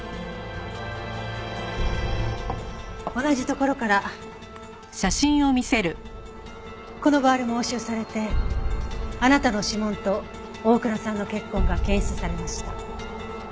同じ所からこのバールも押収されてあなたの指紋と大倉さんの血痕が検出されました。